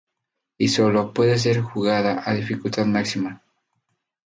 Y sólo puede ser jugada a dificultad máxima.